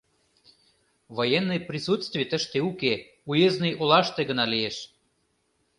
Военный присутствий тыште уке, уездный олаште гына лиеш.